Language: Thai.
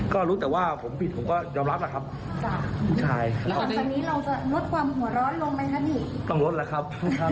ต้องรวดแล้วครับถ้ารวดก็รวดอีกแน่ครับ